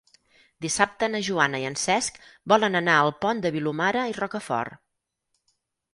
Dissabte na Joana i en Cesc volen anar al Pont de Vilomara i Rocafort.